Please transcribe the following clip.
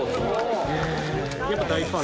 やっぱ大ファン？